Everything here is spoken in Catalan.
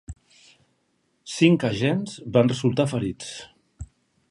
Cinc agents van resultar ferits.